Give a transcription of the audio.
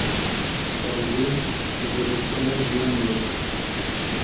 Kalbûn, zivistana jiyanê ye.